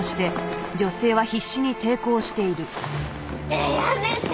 ねえやめて。